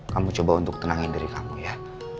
kamu coba untuk tenangin diri kamu ya